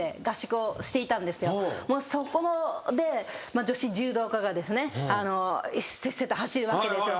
そこで女子柔道家がせっせと走るわけですよ。